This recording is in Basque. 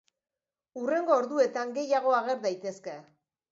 Hurrengo orduetan gehiago ager daitezke.